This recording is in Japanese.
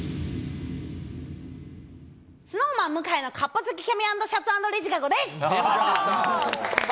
ＳｎｏｗＭａｎ・向井のカップ付きキャミ＆レジカゴです。